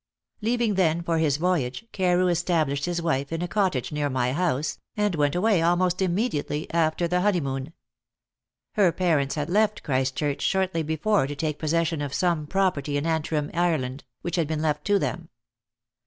Leaving then for his voyage, Carew established his wife in a cottage near my house, and went away almost immediately after the honeymoon. Her parents had left Christchurch shortly before to take possession of some property in Antrim, Ireland, which had been left to them.